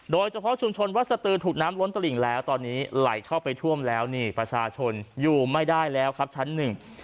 โดยเฉพาะชุมชนวัดสตือถูกน้ำล้นตลิ่งแล้วตอนนี้ไหลเข้าไปท่วมแล้วนี่ประชาชนอยู่ไม่ได้แล้วครับชั้นหนึ่ง